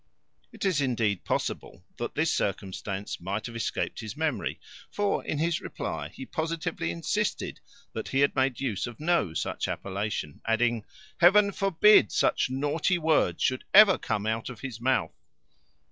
It is indeed possible that this circumstance might have escaped his memory; for, in his reply, he positively insisted, that he had made use of no such appellation; adding, "Heaven forbid such naughty words should ever come out of his mouth!"